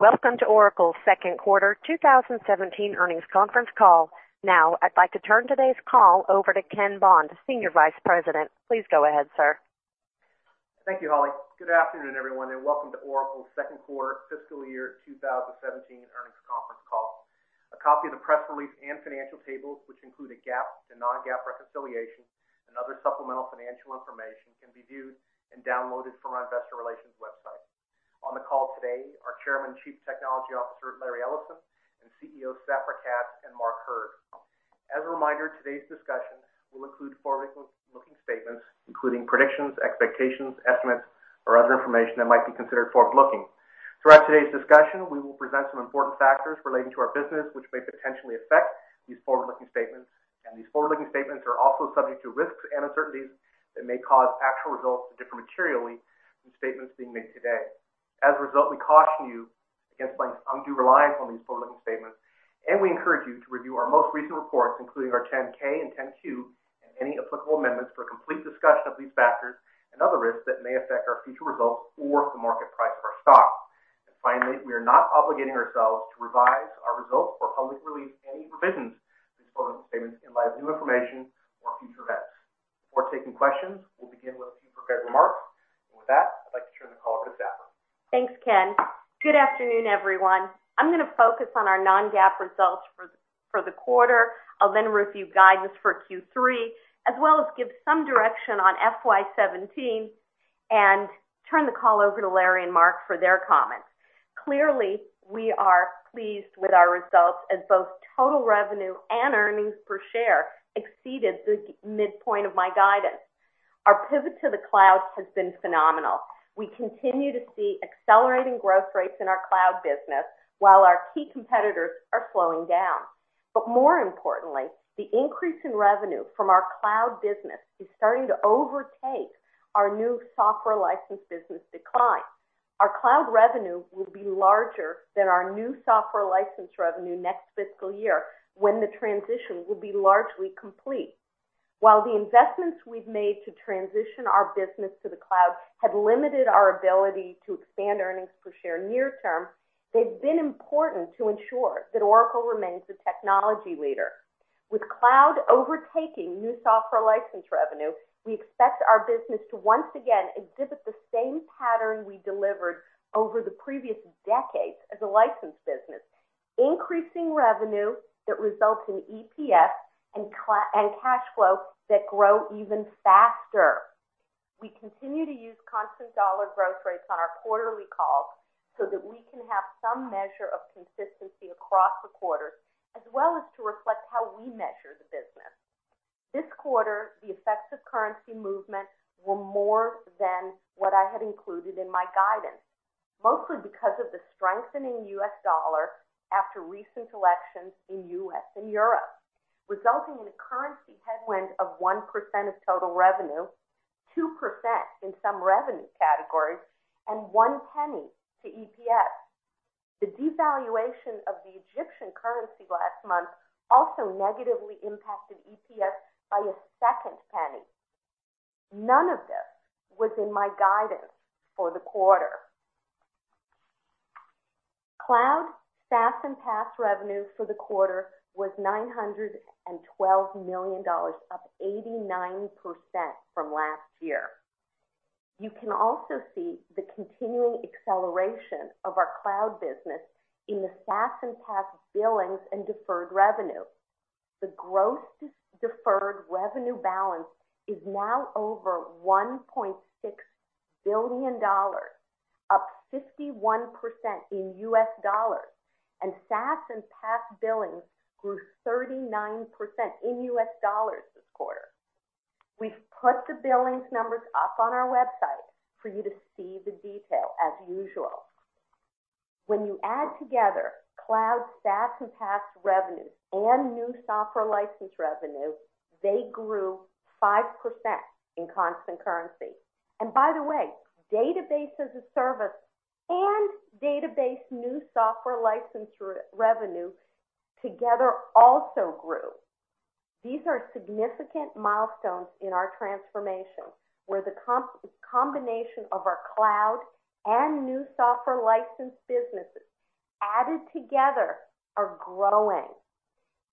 Welcome to Oracle's second quarter 2017 earnings conference call. I'd like to turn today's call over to Ken Bond, Senior Vice President. Please go ahead, sir. Thank you, Holly. Good afternoon, everyone, welcome to Oracle's second quarter fiscal year 2017 earnings conference call. A copy of the press release and financial tables, which include a GAAP to non-GAAP reconciliation and other supplemental financial information, can be viewed and downloaded from our investor relations website. On the call today are Chairman and Chief Technology Officer, Larry Ellison, and CEOs Safra Catz and Mark Hurd. As a reminder, today's discussion will include forward-looking statements, including predictions, expectations, estimates, or other information that might be considered forward-looking. Throughout today's discussion, we will present some important factors relating to our business, which may potentially affect these forward-looking statements. These forward-looking statements are also subject to risks and uncertainties that may cause actual results to differ materially from statements being made today. As a result, we caution you against placing undue reliance on these forward-looking statements. We encourage you to review our most recent reports, including our 10-K and 10-Q, and any applicable amendments for a complete discussion of these factors and other risks that may affect our future results or the market price of our stock. Finally, we are not obligating ourselves to revise our results or publicly release any revisions to these forward-looking statements in light of new information or future events. Before taking questions, we'll begin with a few prepared remarks. With that, I'd like to turn the call over to Safra. Thanks, Ken. Good afternoon, everyone. I'm going to focus on our non-GAAP results for the quarter. I'll then review guidance for Q3, as well as give some direction on FY 2017, turn the call over to Larry and Mark for their comments. Clearly, we are pleased with our results as both total revenue and earnings per share exceeded the midpoint of my guidance. Our pivot to the cloud has been phenomenal. We continue to see accelerating growth rates in our cloud business while our key competitors are slowing down. More importantly, the increase in revenue from our cloud business is starting to overtake our new software license business decline. Our cloud revenue will be larger than our new software license revenue next fiscal year when the transition will be largely complete. While the investments we've made to transition our business to the cloud have limited our ability to expand earnings per share near term, they've been important to ensure that Oracle remains a technology leader. With cloud overtaking new software license revenue, we expect our business to once again exhibit the same pattern we delivered over the previous decades as a license business, increasing revenue that results in EPS and cash flow that grow even faster. We continue to use constant dollar growth rates on our quarterly calls so that we can have some measure of consistency across the quarters, as well as to reflect how we measure the business. This quarter, the effects of currency movements were more than what I had included in my guidance, mostly because of the strengthening U.S. dollar after recent elections in U.S. Europe, resulting in a currency headwind of 1% of total revenue, 2% in some revenue categories, and $0.01 to EPS. The devaluation of the Egyptian currency last month also negatively impacted EPS by a second $0.01. None of this was in my guidance for the quarter. Cloud SaaS and PaaS revenue for the quarter was $912 million, up 89% from last year. You can also see the continuing acceleration of our cloud business in the SaaS and PaaS billings and deferred revenue. The gross deferred revenue balance is now over $1.6 billion, up 51% in U.S. dollars, and SaaS and PaaS billings grew 39% in U.S. dollars this quarter. We've put the billings numbers up on our website for you to see the detail, as usual. When you add together cloud SaaS and PaaS revenues and new software license revenue, they grew 5% in constant currency. By the way, Database as a Service and database new software license revenue together also grew. These are significant milestones in our transformation, where the combination of our cloud and new software license businesses added together are growing.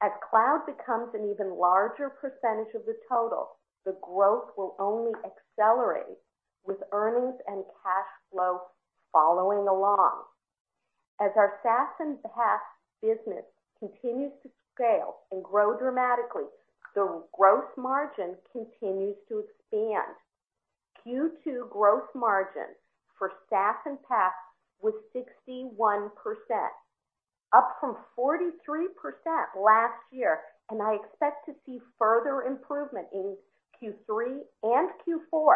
As cloud becomes an even larger percentage of the total, the growth will only accelerate, with earnings and cash flow following along. As our SaaS and PaaS business continues to scale and grow dramatically, the gross margin continues to expand. Q2 gross margin for SaaS and PaaS was 61%, up from 43% last year, and I expect to see further improvement in Q3 and Q4.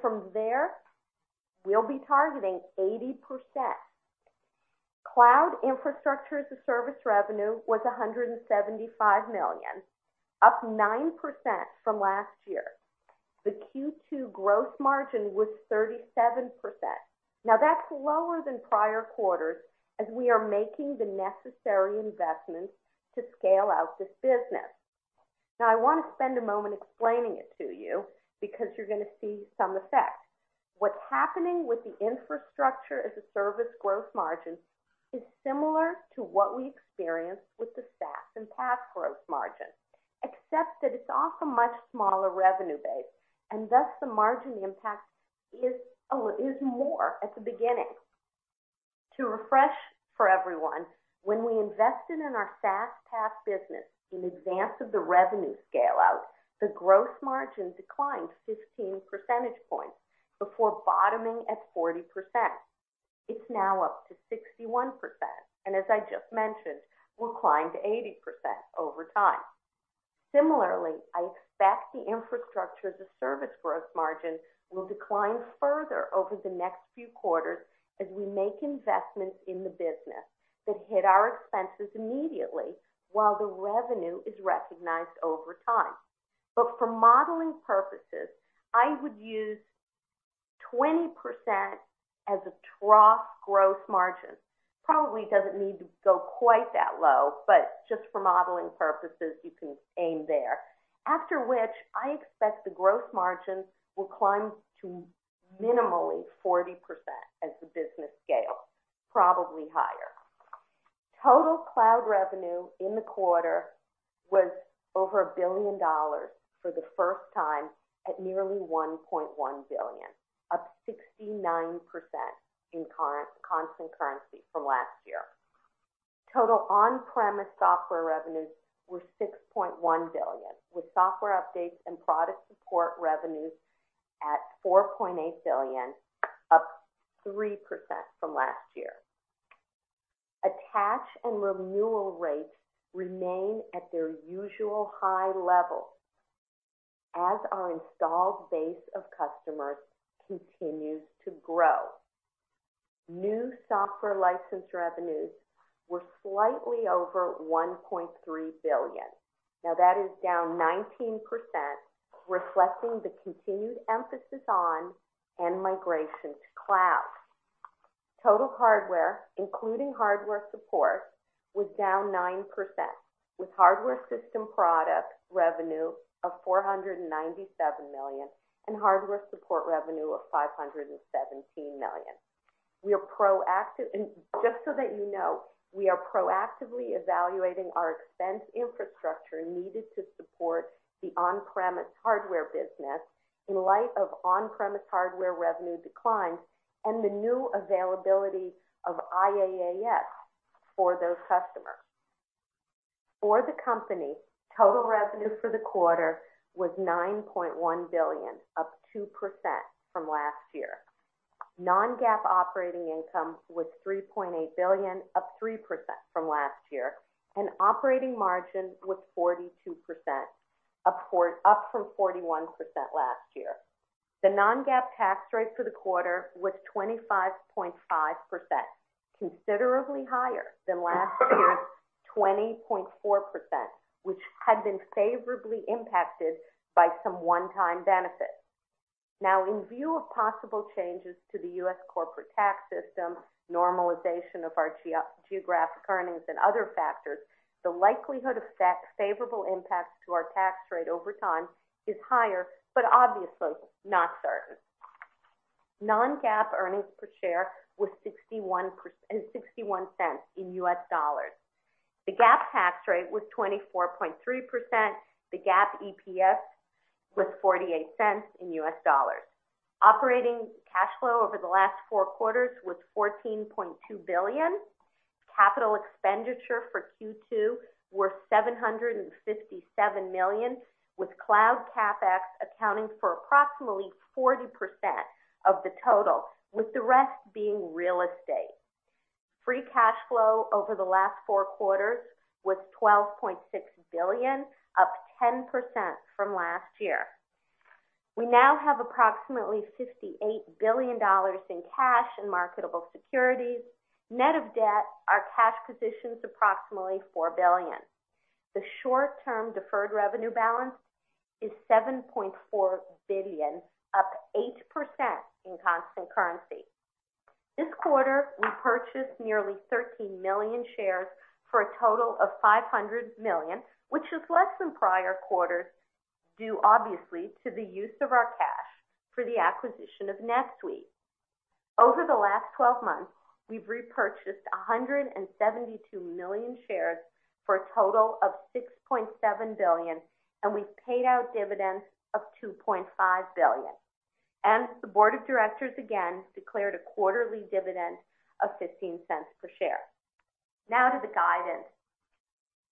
From there, we'll be targeting 80%. Cloud Infrastructure as a Service revenue was $175 million, up 9% from last year. The Q2 gross margin was 37%. That's lower than prior quarters as we are making the necessary investments to scale out this business. I want to spend a moment explaining it to you because you're going to see some effect. What's happening with the infrastructure as a service growth margin is similar to what we experienced with the SaaS and PaaS growth margin, except that it's off a much smaller revenue base, and thus the margin impact is more at the beginning. To refresh for everyone, when we invested in our SaaS/PaaS business in advance of the revenue scale-out, the gross margin declined 15 percentage points before bottoming at 40%. It's now up to 61%, and as I just mentioned, will climb to 80% over time. Similarly, I expect the infrastructure as a service growth margin will decline further over the next few quarters as we make investments in the business that hit our expenses immediately while the revenue is recognized over time. For modeling purposes, I would use 20% as a trough growth margin. Probably doesn't need to go quite that low, but just for modeling purposes, you can aim there. After which, I expect the growth margin will climb to minimally 40% as the business scales, probably higher. Total cloud revenue in the quarter was over $1 billion for the first time at nearly $1.1 billion, up 69% in constant currency from last year. Total on-premise software revenues were $6.1 billion, with software updates and product support revenues at $4.8 billion, up 3% from last year. Attach and renewal rates remain at their usual high levels as our installed base of customers continues to grow. New software license revenues were slightly over $1.3 billion. That is down 19%, reflecting the continued emphasis on and migration to cloud. Total hardware, including hardware support, was down 9%, with hardware system product revenue of $497 million and hardware support revenue of $517 million. Just so that you know, we are proactively evaluating our expense infrastructure needed to support the on-premise hardware business in light of on-premise hardware revenue declines and the new availability of IaaS for those customers. For the company, total revenue for the quarter was $9.1 billion, up 2% from last year. Non-GAAP operating income was $3.8 billion, up 3% from last year, and operating margin was 42%, up from 41% last year. The non-GAAP tax rate for the quarter was 25.5%, considerably higher than last year's 20.4%, which had been favorably impacted by some one-time benefits. In view of possible changes to the U.S. corporate tax system, normalization of our geographic earnings, and other factors, the likelihood of favorable impacts to our tax rate over time is higher, but obviously not certain. Non-GAAP earnings per share was $0.61. The GAAP tax rate was 24.3%. The GAAP EPS was $0.48. Operating cash flow over the last four quarters was $14.2 billion. Capital expenditure for Q2 were $757 million, with cloud CapEx accounting for approximately 40% of the total, with the rest being real estate. Free cash flow over the last four quarters was $12.6 billion, up 10% from last year. We now have approximately $58 billion in cash and marketable securities. Net of debt, our cash position's approximately $4 billion. The short-term deferred revenue balance is $7.4 billion, up 8% in constant currency. This quarter, we purchased nearly 13 million shares for a total of $500 million, which is less than prior quarters due obviously to the use of our cash for the acquisition of NetSuite. Over the last 12 months, we've repurchased 172 million shares for a total of $6.7 billion, and we've paid out dividends of $2.5 billion. The board of directors again declared a quarterly dividend of $0.15 per share. To the guidance.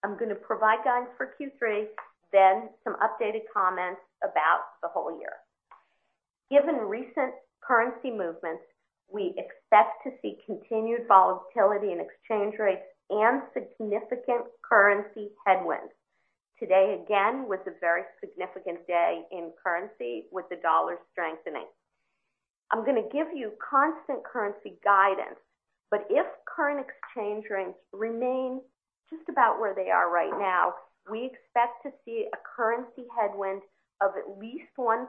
I'm going to provide guidance for Q3, then some updated comments about the whole year. Given recent currency movements, we expect to see continued volatility in exchange rates and significant currency headwinds. Today, again, was a very significant day in currency with the dollar strengthening. I'm going to give you constant currency guidance. If current exchange rates remain just about where they are right now, we expect to see a currency headwind of at least 1%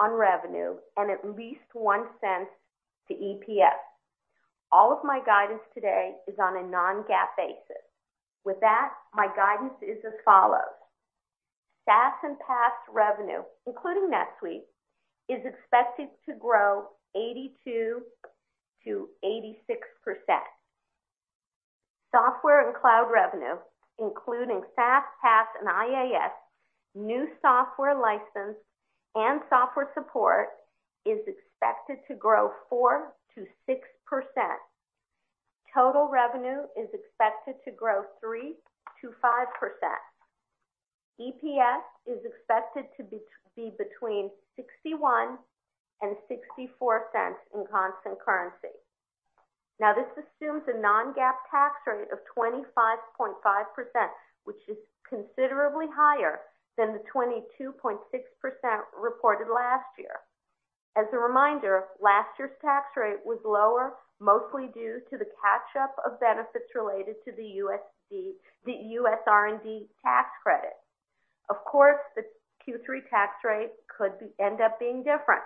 on revenue and at least $0.01 to EPS. All of my guidance today is on a non-GAAP basis. With that, my guidance is as follows: SaaS and PaaS revenue, including NetSuite, is expected to grow 82%-86%. Software and cloud revenue, including SaaS, PaaS, and IaaS, new software license, and software support is expected to grow 4%-6%. Total revenue is expected to grow 3%-5%. EPS is expected to be between $0.61 and $0.64 in constant currency. This assumes a non-GAAP tax rate of 25.5%, which is considerably higher than the 22.6% reported last year. As a reminder, last year's tax rate was lower, mostly due to the catch-up of benefits related to the U.S. R&D tax credit. Of course, the Q3 tax rate could end up being different.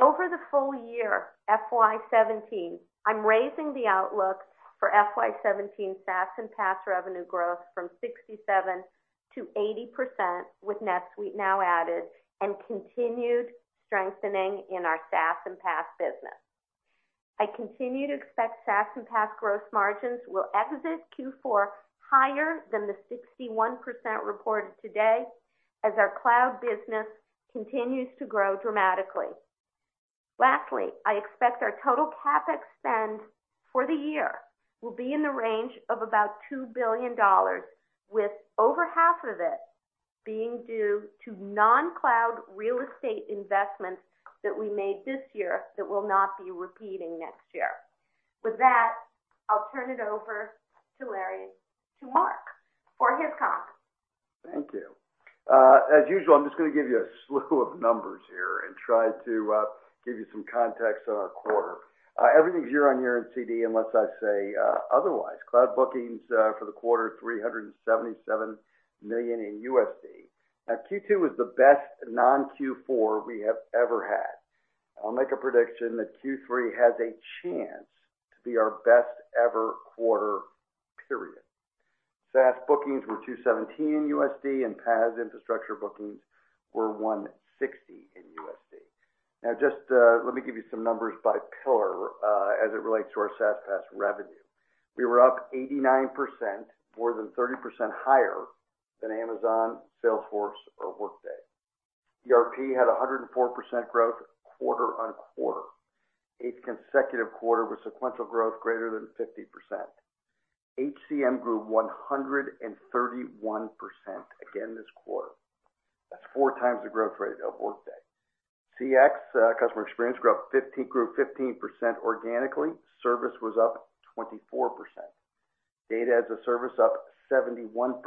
Over the full year, FY 2017, I'm raising the outlook for FY 2017 SaaS and PaaS revenue growth from 67% to 80% with NetSuite now added and continued strengthening in our SaaS and PaaS business. I continue to expect SaaS and PaaS gross margins will exit Q4 higher than the 61% reported today as our cloud business continues to grow dramatically. Lastly, I expect our total CapEx spend for the year will be in the range of about $2 billion, with over half of it being due to non-cloud real estate investments that we made this year that will not be repeating next year. With that, I'll turn it over to Mark for his comments. Thank you. As usual, I'm just going to give you a slew of numbers here and try to give you some context on our quarter. Everything's year-on-year in CC unless I say otherwise. Cloud bookings for the quarter, $377 million in USD. Q2 was the best non-Q4 we have ever had. I'll make a prediction that Q3 has a chance to be our best ever quarter, period. SaaS bookings were $217 million and PaaS infrastructure bookings were $160 million in USD. Just let me give you some numbers by pillar as it relates to our SaaS PaaS revenue. We were up 89%, more than 30% higher than Amazon, Salesforce, or Workday. ERP had 104% growth quarter-on-quarter. 8th consecutive quarter with sequential growth greater than 50%. HCM grew 131% again this quarter. That's four times the growth rate of Workday. CX, customer experience, grew 15% organically. Service was up 24%. Database as a Service up 71%.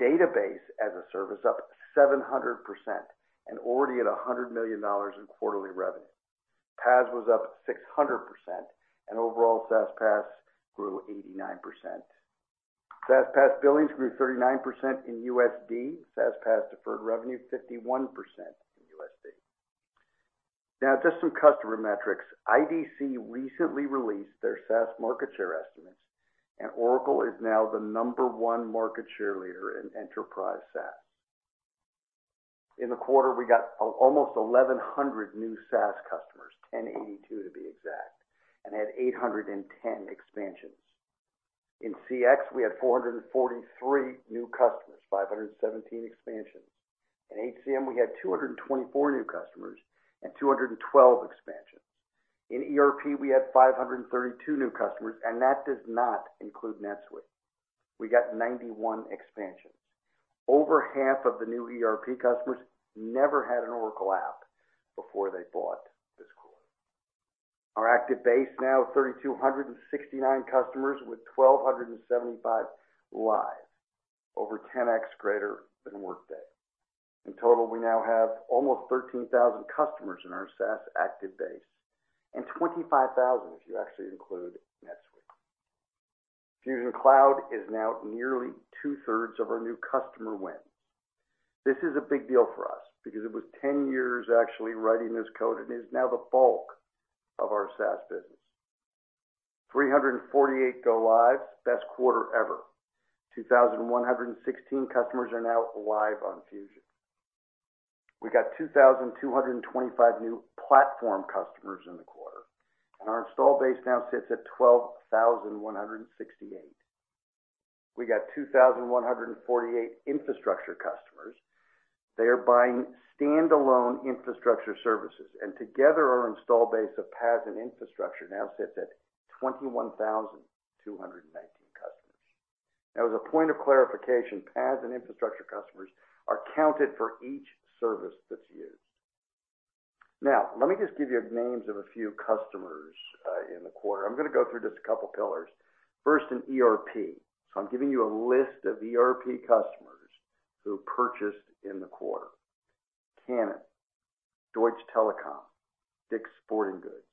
Database as a Service up 700% and already at $100 million in quarterly revenue. PaaS was up 600% and overall SaaS, PaaS grew 89%. SaaS, PaaS billings grew 39%. SaaS, PaaS deferred revenue 51%. Just some customer metrics. IDC recently released their SaaS market share estimates, and Oracle is now the number one market share leader in enterprise SaaS. In the quarter, we got almost 1,100 new SaaS customers, 1,082 to be exact, and had 810 expansions. In CX, we had 443 new customers, 517 expansions. In HCM, we had 224 new customers and 212 expansions. In ERP, we had 532 new customers, and that does not include NetSuite. We got 91 expansions. Over half of the new ERP customers never had an Oracle app before they bought this quarter. Our active base now 3,269 customers with 1,275 live, over 10X greater than Workday. In total, we now have almost 13,000 customers in our SaaS active base and 25,000 if you actually include NetSuite. Fusion Cloud is now nearly two-thirds of our new customer wins. This is a big deal for us because it was 10 years actually writing this code, and it is now the bulk of our SaaS business. 348 go lives, best quarter ever. 2,116 customers are now live on Fusion. We got 2,225 new platform customers in the quarter, and our install base now sits at 12,168. We got 2,148 infrastructure customers. They are buying standalone infrastructure services, and together, our install base of PaaS and infrastructure now sits at 21,219 customers. As a point of clarification, PaaS and infrastructure customers are counted for each service that's used. Let me just give you names of a few customers in the quarter. I'm going to go through just a couple pillars. First in ERP. I'm giving you a list of ERP customers who purchased in the quarter. Canon, Deutsche Telekom, DICK'S Sporting Goods,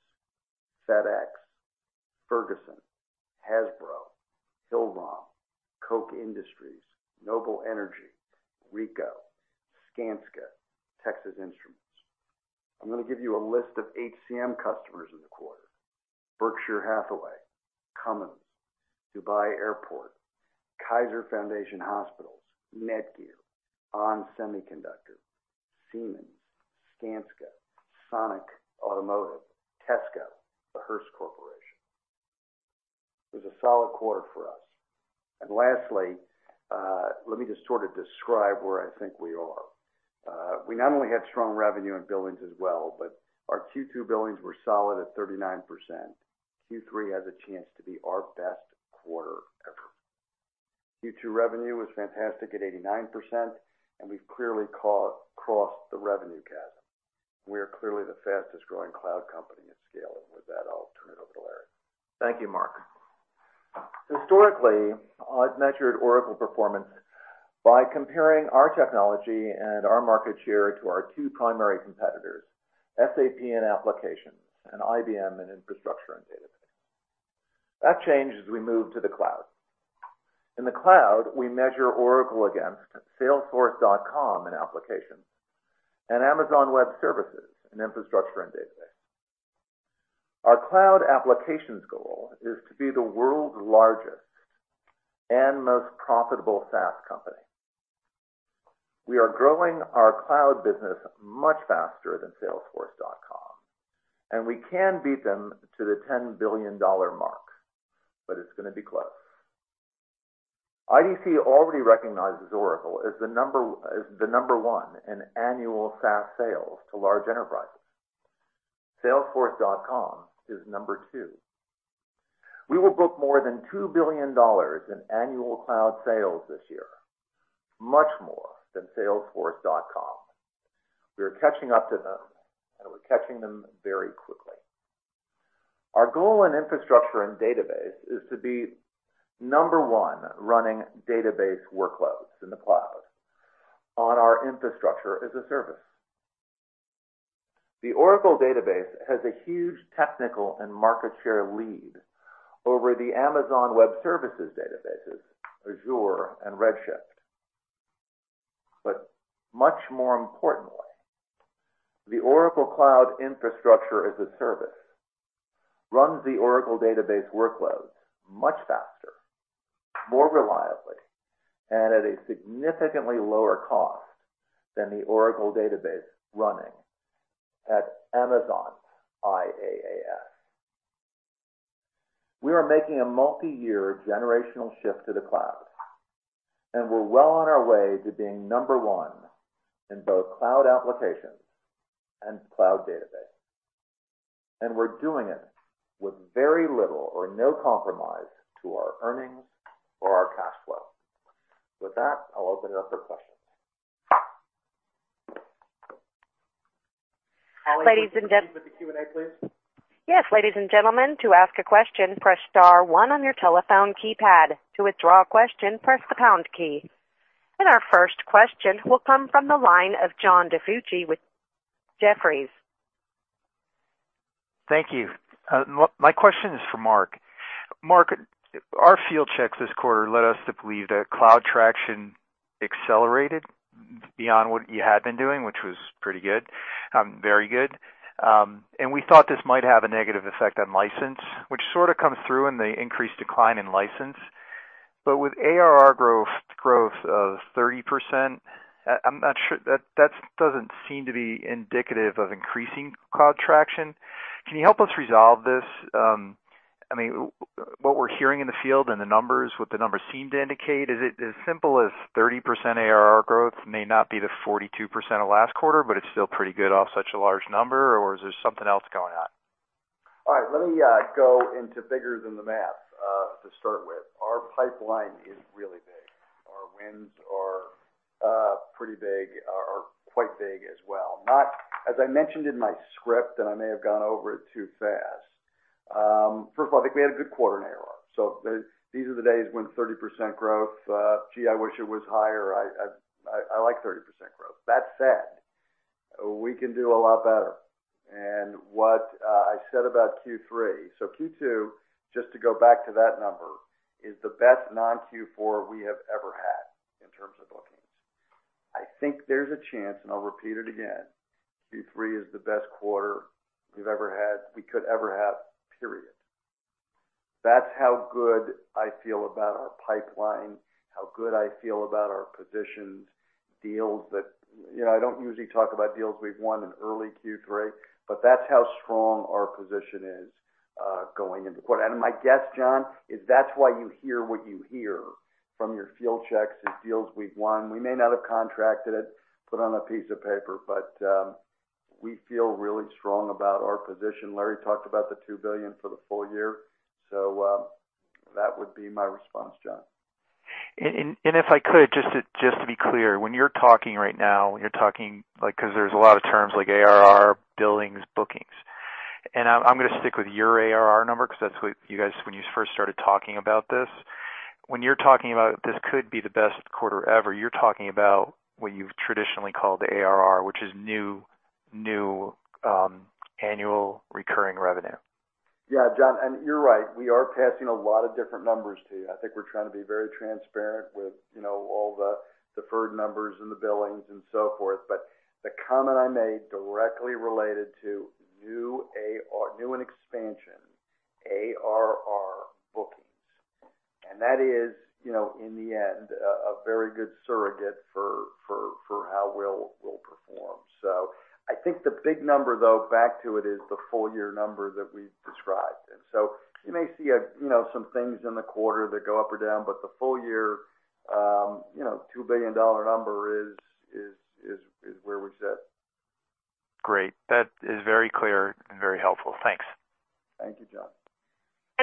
FedEx, Ferguson, Hasbro, Hill-Rom, Koch Industries, Noble Energy, Ricoh, Skanska, Texas Instruments. I'm going to give you a list of HCM customers in the quarter. Berkshire Hathaway, Cummins, Dubai Airports, Kaiser Foundation Hospitals, NETGEAR, ON Semiconductor, Siemens, Skanska, Sonic Automotive, Tesco, the Hearst Corporation. It was a solid quarter for us. Lastly, let me just sort of describe where I think we are. We not only had strong revenue and billings as well, but our Q2 billings were solid at 39%. Q3 has a chance to be our best quarter ever. Q2 revenue was fantastic at 89%. We've clearly crossed the revenue chasm. We are clearly the fastest growing cloud company at scale. With that, I'll turn it over to Larry. Thank you, Mark. Historically, I've measured Oracle performance by comparing our technology and our market share to our two primary competitors, SAP in applications and IBM in infrastructure and database. That changed as we moved to the cloud. In the cloud, we measure Oracle against salesforce.com in applications and Amazon Web Services in infrastructure and database. Our cloud applications goal is to be the world's largest and most profitable SaaS company. We are growing our cloud business much faster than salesforce.com, and we can beat them to the $10 billion mark, but it's going to be close. IDC already recognizes Oracle as the number one in annual SaaS sales to large enterprises. salesforce.com is number two. We will book more than $2 billion in annual cloud sales this year, much more than salesforce.com. We are catching up to them, and we're catching them very quickly. Our goal in infrastructure and database is to be number one running database workloads in the cloud on our Infrastructure as a Service. Much more importantly, the Oracle Database has a huge technical and market share lead over the Amazon Web Services databases, Azure, and Redshift. The Oracle Cloud Infrastructure as a Service runs the Oracle Database workloads much faster, more reliably, and at a significantly lower cost than the Oracle Database running at Amazon's IaaS. We are making a multi-year generational shift to the cloud, and we're well on our way to being number one in both cloud applications and cloud database. We're doing it with very little or no compromise to our earnings or our cash flow. With that, I'll open it up for questions. Ladies and gentlemen, can you put the Q&A, please? Yes, ladies and gentlemen, to ask a question, press star one on your telephone keypad. To withdraw a question, press the pound key. Our first question will come from the line of John DiFucci with Jefferies. Thank you. My question is for Mark. Mark, our field checks this quarter led us to believe that cloud traction accelerated beyond what you had been doing, which was pretty good. Very good. We thought this might have a negative effect on license, which sort of comes through in the increased decline in license. With ARR growth of 30%, I'm not sure, that doesn't seem to be indicative of increasing cloud traction. Can you help us resolve this? What we're hearing in the field and the numbers, what the numbers seem to indicate, is it as simple as 30% ARR growth may not be the 42% of last quarter, but it's still pretty good off such a large number, or is there something else going on? All right. Let me go into bigger than the math to start with. Our pipeline is really big. Our wins are pretty big, are quite big as well. As I mentioned in my script, I may have gone over it too fast. First of all, I think we had a good quarter in ARR. These are the days when 30% growth, gee, I wish it was higher. I like 30% growth. That said, we can do a lot better. What I said about Q3, Q2, just to go back to that number, is the best non-Q4 we have ever had in terms of bookings. I think there's a chance, and I'll repeat it again, Q3 is the best quarter we could ever have, period. That's how good I feel about our pipeline, how good I feel about our positions, I don't usually talk about deals we've won in early Q3, but that's how strong our position is going into quarter. My guess, John, is that's why you hear what you hear from your field checks and deals we've won. We may not have contracted it, put on a piece of paper, but we feel really strong about our position. Larry talked about the $2 billion for the full year. That would be my response, John. If I could, just to be clear, when you're talking right now, you're talking, because there's a lot of terms like ARR, billings, bookings. I'm going to stick with your ARR number because that's what you guys, when you first started talking about this. When you're talking about this could be the best quarter ever, you're talking about what you've traditionally called ARR, which is new annual recurring revenue. Yeah, John, you're right. We are passing a lot of different numbers to you. I think we're trying to be very transparent with all the deferred numbers and the billings and so forth. The comment I made directly related to new expansion, ARR bookings. That is, in the end, a very good surrogate for how we'll perform. I think the big number, though, back to it, is the full year number that we've described. You may see some things in the quarter that go up or down, but the full year, $2 billion number is where we sit. Great. That is very clear and very helpful. Thanks. Thank you, John.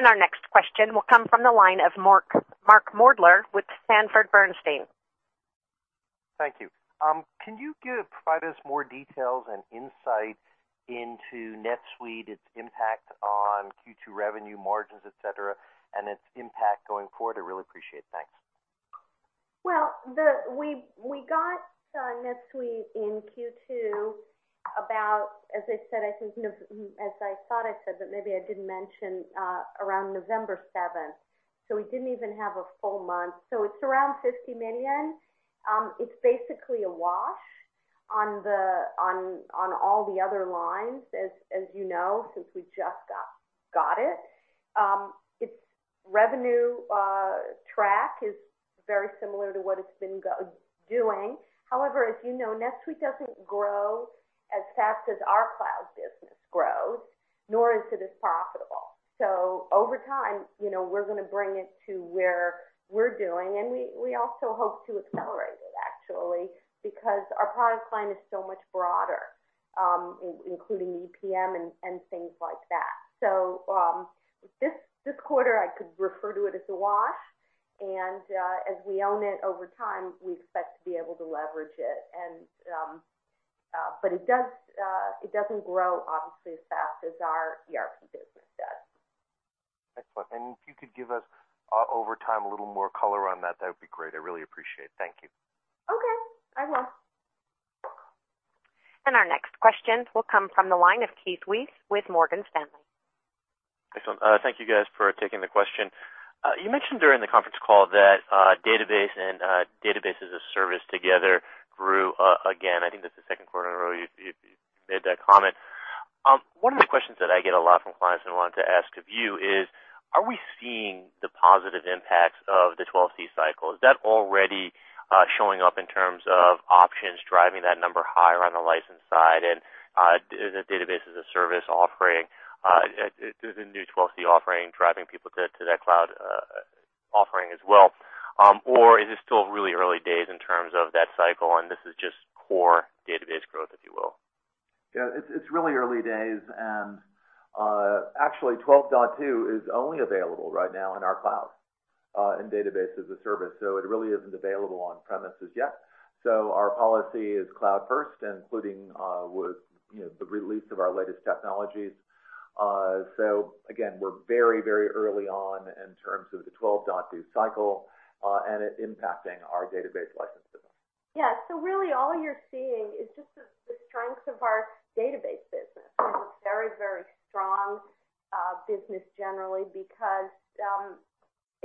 Our next question will come from the line of Mark Moerdler with Sanford Bernstein. Thank you. Can you provide us more details and insight into NetSuite, its impact on Q2 revenue margins, et cetera, and its impact going forward? I really appreciate it. Thanks. We got NetSuite in Q2 about, as I thought I said, but maybe I didn't mention, around November 7th. We didn't even have a full month. It's around $50 million. It's basically a wash on all the other lines, as you know, since we just got it. Its revenue track is very similar to what it's been doing. However, as you know, NetSuite doesn't grow as fast as our cloud business grows, nor is it as profitable. Over time, we're going to bring it to where we're doing, and we also hope to accelerate it, actually, because our product line is so much broader, including EPM and things like that. This quarter, I could refer to it as a wash, and as we own it over time, we expect to be able to leverage it. It doesn't grow obviously as fast as our ERP business does. Excellent. If you could give us over time a little more color on that would be great. I really appreciate it. Thank you. Okay. I will. Our next question will come from the line of Keith Weiss with Morgan Stanley. Excellent. Thank you guys for taking the question. You mentioned during the conference call that database and Database as a Service together grew again. I think that's the second quarter in a row you've made that comment. One of the questions that I get a lot from clients, and wanted to ask of you is, are we seeing the positive impacts of the 12c cycle? Is that already showing up in terms of options driving that number higher on the license side and the Database as a Service offering, the new 12c offering, driving people to that cloud offering as well? Is it still really early days in terms of that cycle and this is just core database growth, if you will? It's really early days. Actually 12.2 is only available right now in our cloud, in Database as a Service, so it really isn't available on premises yet. Our policy is cloud first, including with the release of our latest technologies. Again, we're very early on in terms of the 12.2 cycle, and it impacting our database license business. Really all you're seeing is just the strength of our database business. It's a very strong business generally because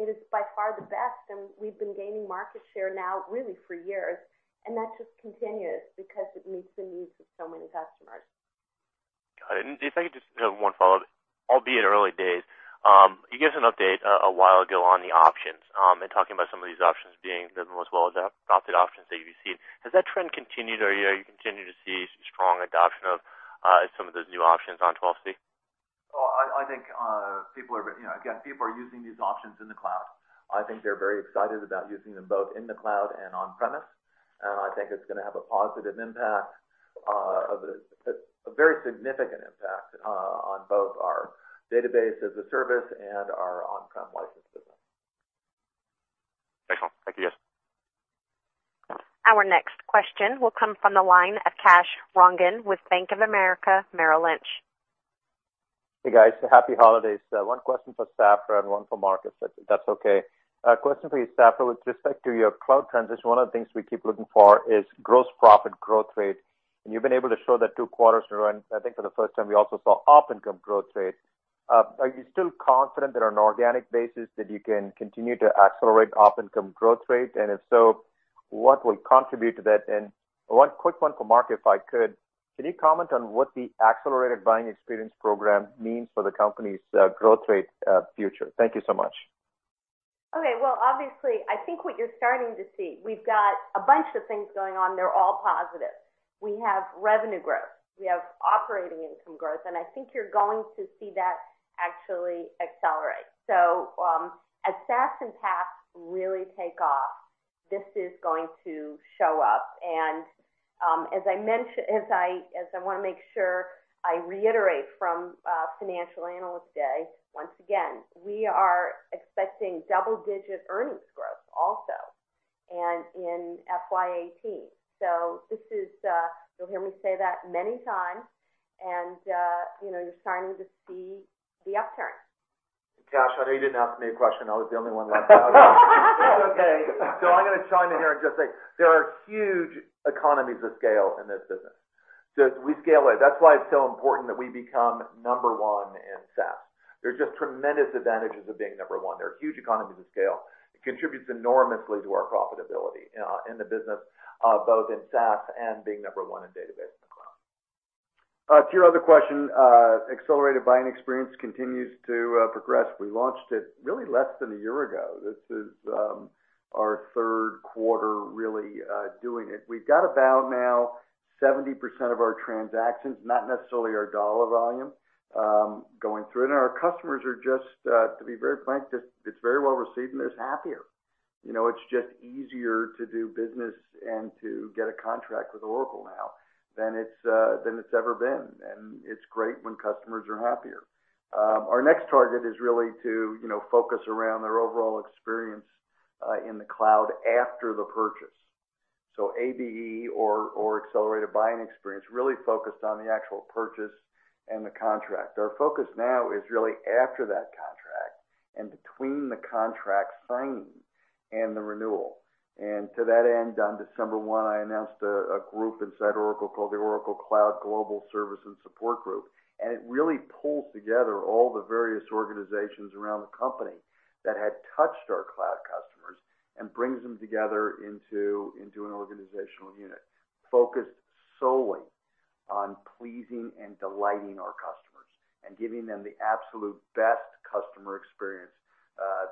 it is by far the best, and we've been gaining market share now really for years, and that just continues because it meets the needs of so many customers. Got it. If I could just have one follow-up, albeit early days. You gave us an update a while ago on the options, and talking about some of these options being the most well adopted options that you've seen. Has that trend continued? Are you continuing to see strong adoption of some of those new options on 12c? I think, again, people are using these options in the cloud. I think they're very excited about using them both in the cloud and on-premise. I think it's going to have a positive impact, a very significant impact, on both our Database as a Service and our on-prem license business. Excellent. Thank you, guys. Our next question will come from the line of Kash Rangan with Bank of America Merrill Lynch. Hey, guys. Happy holidays. One question for Safra and one for Mark, if that's okay. A question for you, Safra. With respect to your cloud transition, one of the things we keep looking for is gross profit growth rate, and you've been able to show that two quarters in a row, and I think for the first time, we also saw op income growth rate. Are you still confident that on an organic basis, that you can continue to accelerate op income growth rate? If so, what will contribute to that? One quick one for Mark, if I could. Can you comment on what the accelerated buying experience program means for the company's growth rate future? Thank you so much. Well, obviously, I think what you're starting to see, we've got a bunch of things going on. They're all positive. We have revenue growth, we have operating income growth, I think you're going to see that actually accelerate. As SaaS and PaaS really take off, this is going to show up. As I want to make sure I reiterate from Financial Analyst Day, once again, we are expecting double-digit earnings growth also. In FY 2018. This is, you'll hear me say that many times. You're starting to see the upturn. Kash, I know you didn't ask me a question. I was the only one left out. That's okay. I'm going to chime in here and just say, there are huge economies of scale in this business. We scale it. That's why it's so important that we become number one in SaaS. There's just tremendous advantages of being number one. There are huge economies of scale. It contributes enormously to our profitability in the business, both in SaaS and being number one in Oracle Database in the cloud. To your other question, Accelerated Buying Experience continues to progress. We launched it really less than a year ago. This is our third quarter really doing it. We've got about now 70% of our transactions, not necessarily our $ volume, going through it. Our customers are just, to be very frank, just it's very well received, and they're just happier. It's just easier to do business and to get a contract with Oracle now than it's ever been, it's great when customers are happier. Our next target is really to focus around their overall experience in the cloud after the purchase. ABE or Accelerated Buying Experience really focused on the actual purchase and the contract. Our focus now is really after that contract and between the contract signing and the renewal. To that end, on December 1, I announced a group inside Oracle called the Oracle Cloud Global Service and Support Group, it really pulls together all the various organizations around the company that had touched our cloud customers and brings them together into an organizational unit focused solely on pleasing and delighting our customers and giving them the absolute best customer experience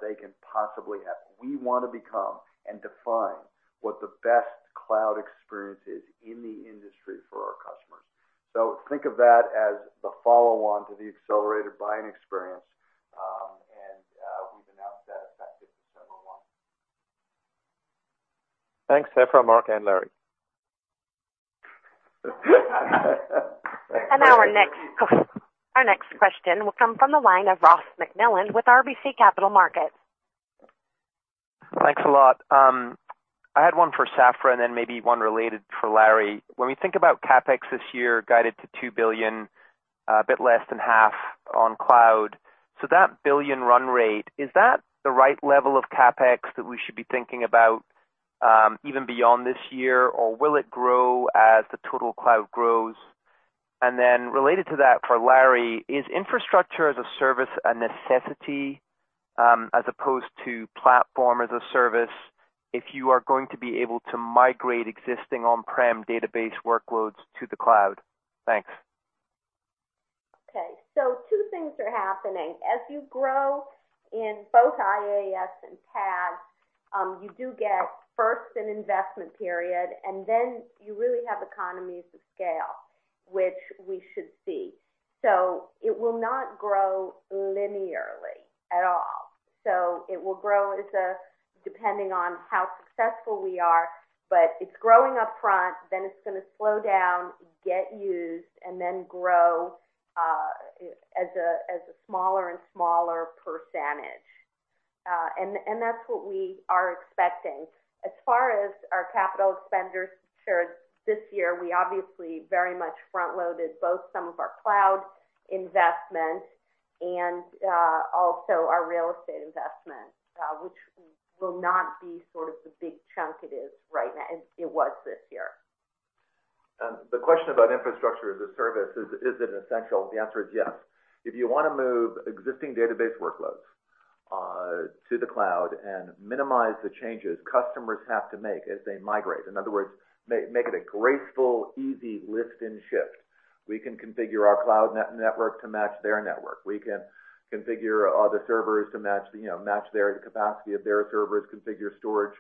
they can possibly have. We want to become and define what the best cloud experience is in the industry for our customers. Think of that as the follow-on to the Accelerated Buying Experience, we've announced that effective December 1. Thanks, Safra, Mark, and Larry. Our next question will come from the line of Ross MacMillan with RBC Capital Markets. Thanks a lot. I had one for Safra and then maybe one related for Larry. When we think about CapEx this year, guided to $2 billion, a bit less than half on cloud. That billion run rate, is that the right level of CapEx that we should be thinking about even beyond this year, or will it grow as the total cloud grows? Then related to that for Larry, is infrastructure as a service a necessity as opposed to platform as a service if you are going to be able to migrate existing on-prem database workloads to the cloud? Thanks. Okay. Two things are happening. As you grow in both IaaS and PaaS, you do get first an investment period, and then you really have economies of scale, which we should see. It will not grow linearly at all. It will grow depending on how successful we are, but it's growing upfront, then it's going to slow down, get used, and then grow as a smaller and smaller percentage. That's what we are expecting. As far as our capital expenditures this year, we obviously very much front-loaded both some of our cloud investment and also our real estate investment, which will not be sort of the big chunk it is right now, and it was this year. The question about Infrastructure as a Service, is it an essential? The answer is yes. If you want to move existing database workloads to the cloud and minimize the changes customers have to make as they migrate, in other words, make it a graceful, easy lift and shift. We can configure our cloud network to match their network. We can configure other servers to match their capacity of their servers, configure storage,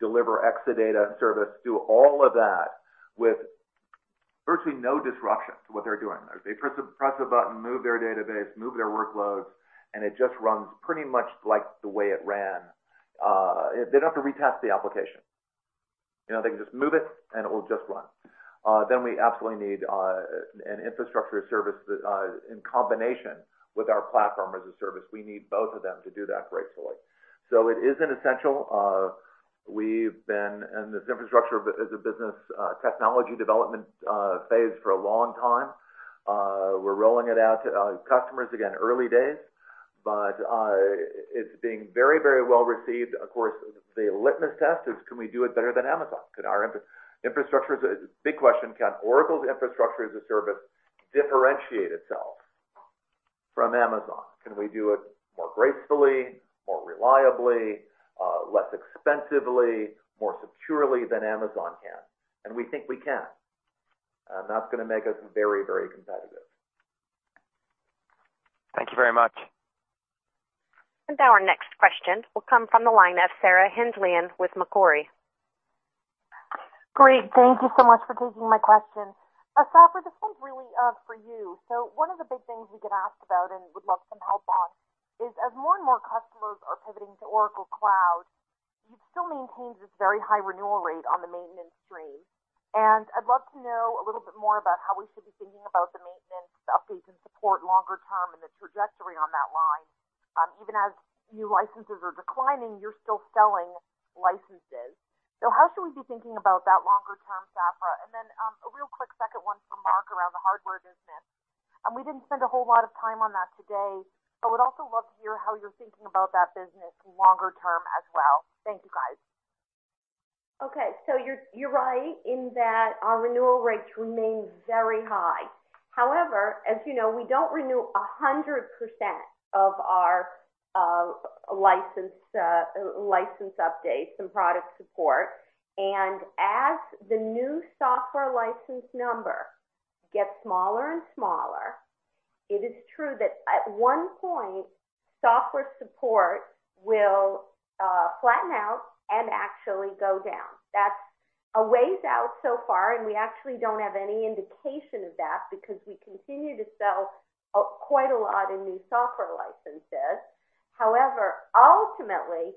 deliver Exadata service, do all of that with virtually no disruption to what they're doing. They press a button, move their database, move their workloads, and it just runs pretty much like the way it ran. They don't have to retest the application. They can just move it, and it will just run. We absolutely need an Infrastructure as a Service in combination with our Platform as a Service. We need both of them to do that gracefully. It is an essential. We've been in this infrastructure as a business technology development phase for a long time. We're rolling it out to customers, again, early days, but it's being very well received. Of course, the litmus test is, can we do it better than Amazon? Big question, can Oracle's Infrastructure as a Service differentiate itself from Amazon? Can we do it more gracefully, more reliably, less expensively, more securely than Amazon can? We think we can. That's going to make us very competitive. Thank you very much. Now our next question will come from the line of Sarah Hindlian with Macquarie. Great. Thank you so much for taking my question. Safra, this one's really for you. One of the big things we get asked about and would love some help on is as more and more customers are pivoting to Oracle Cloud, you've still maintained this very high renewal rate on the maintenance stream. I'd love to know a little bit more about how we should be thinking about the maintenance, the updates, and support longer term and the trajectory on that line. Even as new licenses are declining, you're still selling licenses. How should we be thinking about that longer-term software? Then, a real quick second one for Mark around the hardware business. We didn't spend a whole lot of time on that today, but would also love to hear how you're thinking about that business longer term as well. Thank you, guys. Okay. You're right in that our renewal rates remain very high. However, as you know, we don't renew 100% of our license updates and product support. As the new software license number gets smaller and smaller, it is true that at one point, software support will flatten out and actually go down. That's a ways out so far, and we actually don't have any indication of that because we continue to sell quite a lot in new software licenses. However, ultimately,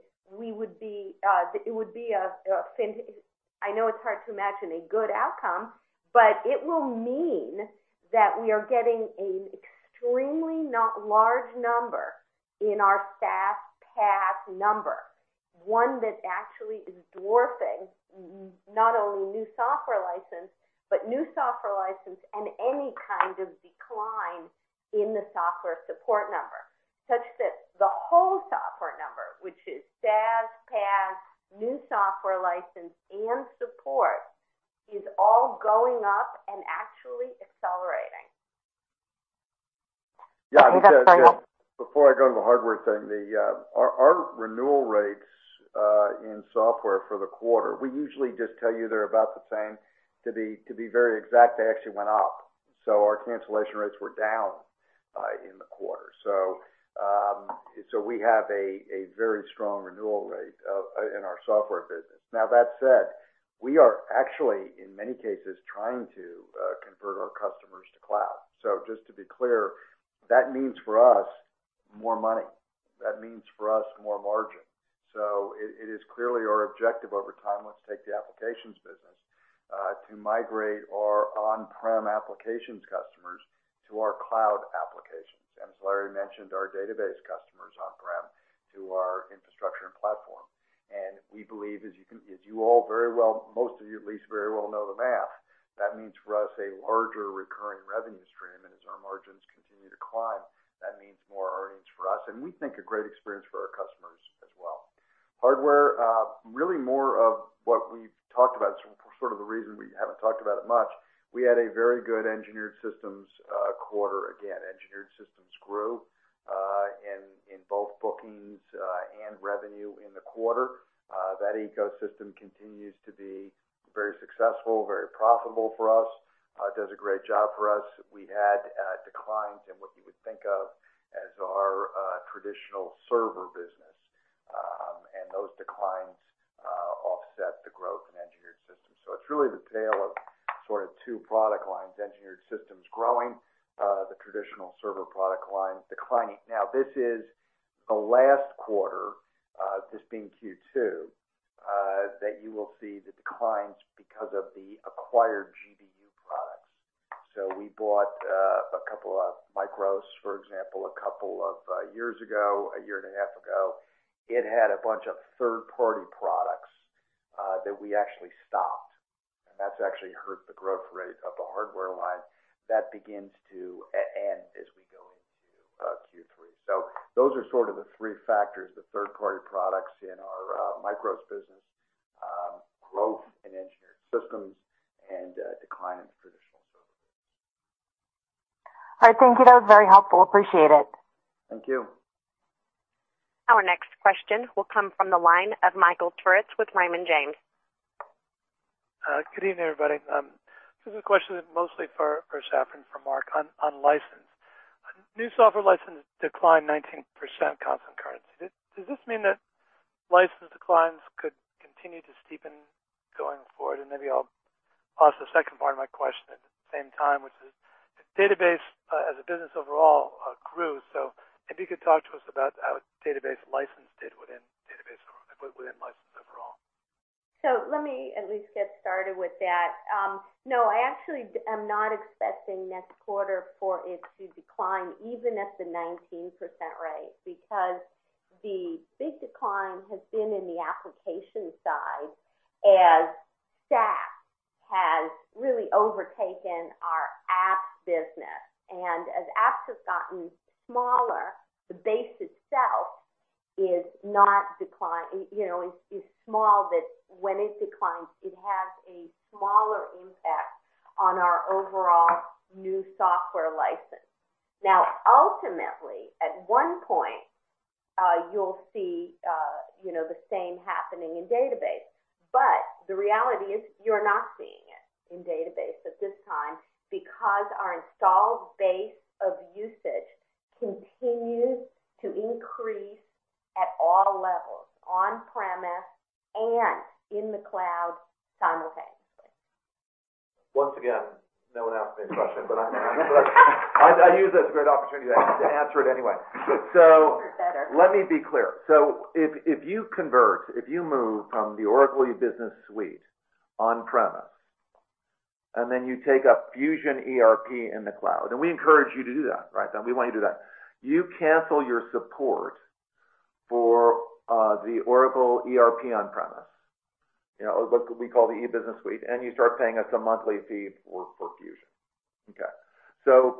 I know it's hard to imagine a good outcome, but it will mean that we are getting an extremely large number in our SaaS, PaaS number. One that actually is dwarfing not only new software license, but new software license and any kind of decline in the software support number, such that the whole software number, which is SaaS, PaaS, new software license, and support, is all going up and actually accelerating. Okay. Yeah. Go ahead, Mark before I go to the hardware thing, our renewal rates in software for the quarter, we usually just tell you they're about the same. To be very exact, they actually went up. Our cancellation rates were down in the quarter. We have a very strong renewal rate in our software business. Now that said, we are actually, in many cases, trying to convert our customers to cloud. Just to be clear, that means for us, more money. That means for us, more margin. It is clearly our objective over time, let's take the applications business, to migrate our on-prem applications customers to our cloud applications. As Larry mentioned, our database customers on-prem to our infrastructure and platform. We believe, as most of you at least very well know the math, that means for us a larger recurring revenue stream. As our margins continue to climb, that means more earnings for us, and we think a great experience for our customers as well. Hardware, really more of what we've talked about, sort of the reason we haven't talked about it much. We had a very good engineered systems quarter. Again, engineered systems grew, in both bookings and revenue in the quarter. That ecosystem continues to be very successful, very profitable for us, does a great job for us. We had declines in what you would think of as our traditional server business. Those declines offset the growth in engineered systems. It's really the tale of sort of two product lines, engineered systems growing, the traditional server product line declining. Now, this is the last quarter, this being Q2, that you will see the declines because of the acquired GBU products. We bought MICROS, for example, a couple of years ago, a year and a half ago. It had a bunch of third-party products that we actually stopped. That's actually hurt the growth rate of the hardware line. That begins to end as we go into Q3. Those are sort of the three factors, the third-party products in our MICROS business, growth in engineered systems, and decline in traditional server business. All right. Thank you. That was very helpful. Appreciate it. Thank you. Our next question will come from the line of Michael Turits with Raymond James. Good evening, everybody. This is a question mostly for Safra and for Mark on license. New software license declined 19% constant currency. Does this mean that license declines could continue to steepen going forward? Maybe I'll ask the second part of my question at the same time, which is, database as a business overall grew. Maybe you could talk to us about how database license did within database or within license overall? Let me at least get started with that. No, I actually am not expecting next quarter for it to decline even at the 19% rate, because the big decline has been in the application side as SaaS has really overtaken our apps business. As apps have gotten smaller, the base itself is small, that when it declines, it has a smaller impact on our overall new software license. Now, ultimately, at one point, you'll see the same happening in database. The reality is, you're not seeing it in database at this time because our installed base of usage continues to increase at all levels, on-premise and in the cloud simultaneously. Once again, no one asked me a question, but I use that as a great opportunity to answer it anyway. You better. Let me be clear. If you convert, if you move from the Oracle E-Business Suite on-premise, and then you take up Fusion ERP in the cloud, and we encourage you to do that. We want you to do that. You cancel your support for the Oracle ERP on-premise, what we call the E-Business Suite, and you start paying us a monthly fee for Fusion. Okay.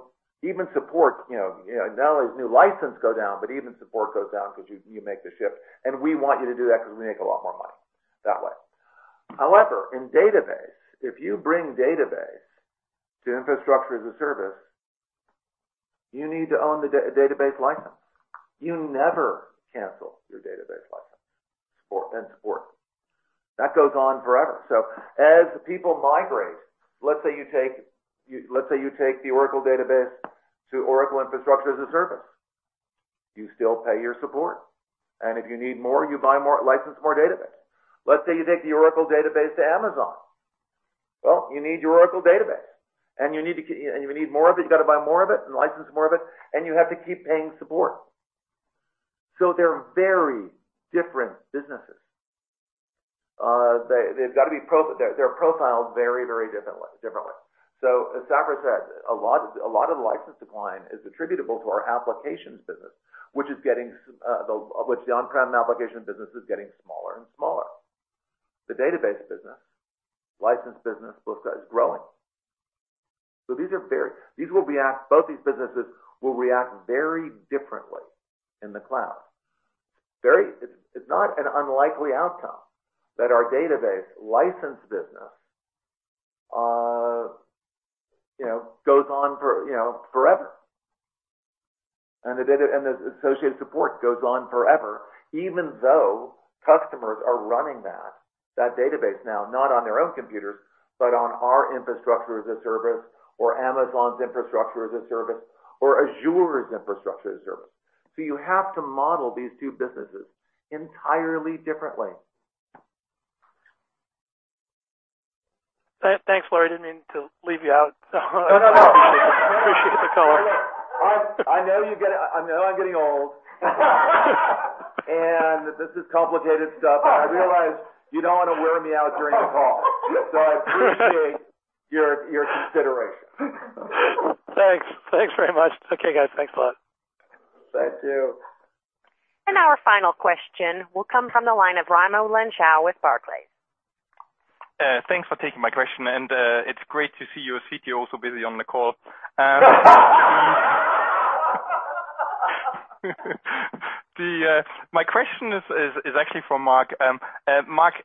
Even support, not only does new license go down, but even support goes down because you make the shift, and we want you to do that because we make a lot more money that way. However, in database, if you bring database to Infrastructure as a Service, you need to own the database license. You never cancel your database license and support. That goes on forever. As people migrate, let's say you take the Oracle Database to Oracle Infrastructure as a Service. You still pay your support. If you need more, you buy more, license more Oracle Database. Let's say you take the Oracle Database to Amazon. Well, you need your Oracle Database, and if you need more of it, you got to buy more of it and license more of it, and you have to keep paying support. They're very different businesses. They're profiled very differently. As Safra Catz said, a lot of the license decline is attributable to our applications business, which the on-prem application business is getting smaller and smaller. The database business, license business, is growing. Both these businesses will react very differently in the cloud. It's not an unlikely outcome that our database license business goes on forever, and the associated support goes on forever, even though customers are running that database now, not on their own computers, but on our Infrastructure as a Service or Amazon's Infrastructure as a Service or Azure's Infrastructure as a Service. You have to model these two businesses entirely differently. Thanks, Larry. Didn't mean to leave you out. No, no. Appreciate the call. I know I'm getting old. This is complicated stuff, and I realize you don't want to wear me out during the call, so I appreciate your consideration. Thanks. Thanks very much. Okay, guys. Thanks a lot. Thank you. Our final question will come from the line of Raimo Lenschow with Barclays. Thanks for taking my question, and it's great to see your CTO so busy on the call. My question is actually for Mark. Mark,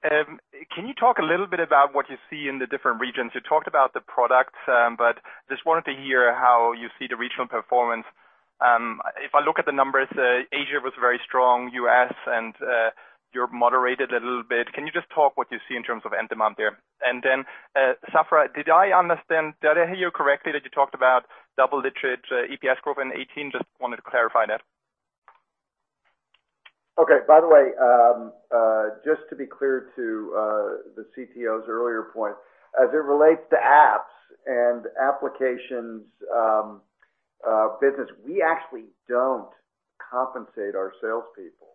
can you talk a little bit about what you see in the different regions? You talked about the products, but just wanted to hear how you see the regional performance. If I look at the numbers, Asia was very strong, U.S. and Europe moderated a little bit. Can you just talk what you see in terms of end demand there? Then Safra, did I hear you correctly that you talked about double-digit EPS growth in 2018? Just wanted to clarify that. Okay. By the way, just to be clear to the CTO's earlier point, as it relates to apps and applications business, we actually don't compensate our salespeople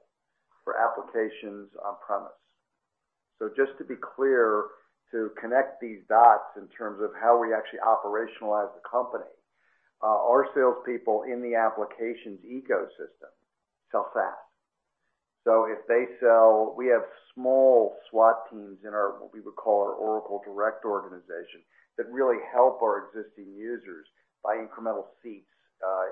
for applications on-premise. Just to be clear, to connect these dots in terms of how we actually operationalize the company, our salespeople in the applications ecosystem sell SaaS. If they sell, we have small SWAT teams in what we would call our Oracle Direct organization that really help our existing users buy incremental seats,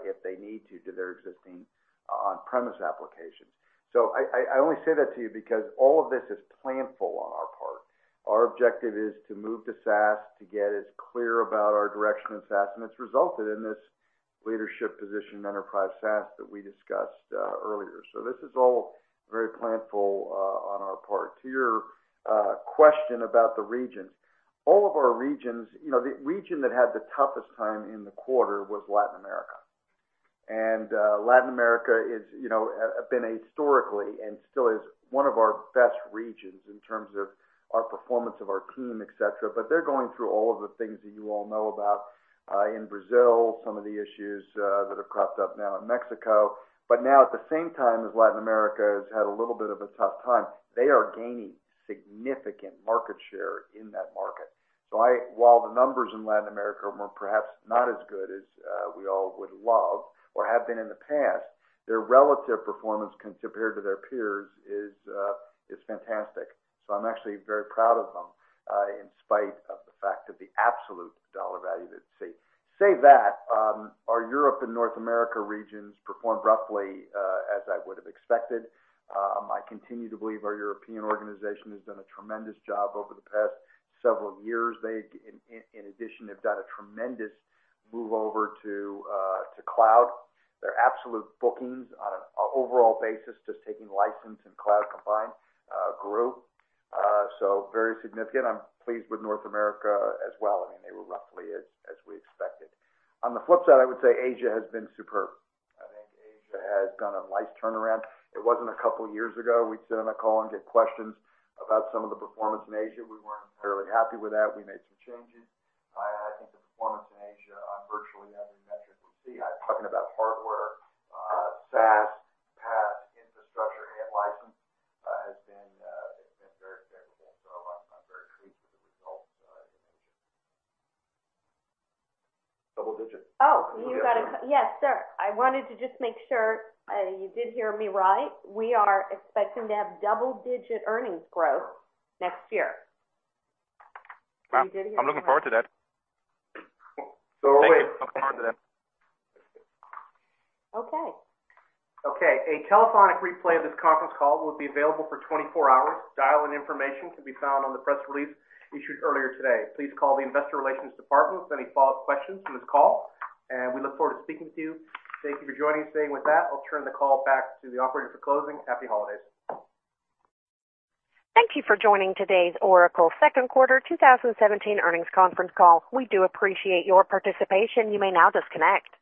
if they need to their existing on-premise applications. I only say that to you because all of this is planful on our part. Our objective is to move to SaaS to get as clear about our direction in SaaS, and it's resulted in this leadership position in enterprise SaaS that we discussed earlier. This is all very planful on our part. To your question about the regions, all of our regions, the region that had the toughest time in the quarter was Latin America. Latin America has been historically and still is one of our best regions in terms of our performance of our team, et cetera, but they're going through all of the things that you all know about in Brazil, some of the issues that have cropped up now in Mexico. Now at the same time as Latin America has had a little bit of a tough time, they are gaining significant market share in that market. While the numbers in Latin America were perhaps not as good as we all would love or have been in the past, their relative performance compared to their peers is fantastic. I'm actually very proud of them in spite of the fact of the absolute dollar value that see. Say that, our Europe and North America regions performed roughly as I would have expected. I continue to believe our European organization has done a tremendous job over the past several years. They, in addition, have done a tremendous move over to cloud. Their absolute bookings on an overall basis, just taking license and cloud combined, grew. Very significant. I'm pleased with North America as well. They were roughly as we expected. On the flip side, I would say Asia has been superb. I think Asia has done a nice turnaround. It wasn't a couple years ago, we'd sit on a call and get questions about some of the performance in Asia. We weren't very happy with that. We made some changes. I think the performance in Asia on virtually every metric we see, I'm talking about hardware, SaaS, PaaS, infrastructure, and license, has been very favorable. I'm very pleased with the results in Asia. Double digits. Yes, sir. I wanted to just make sure you did hear me right. We are expecting to have double-digit earnings growth next year. You did hear me right. I'm looking forward to that. So are we. Looking forward to that. Okay. Okay. A telephonic replay of this conference call will be available for 24 hours. Dial-in information can be found on the press release issued earlier today. Please call the investor relations department with any follow-up questions from this call, and we look forward to speaking to you. Thank you for joining us today. With that, I'll turn the call back to the operator for closing. Happy holidays. Thank you for joining today's Oracle second quarter 2017 earnings conference call. We do appreciate your participation. You may now disconnect.